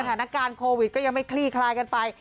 สถานการณ์โควิดก็ยังไม่คลี่คลายกันไป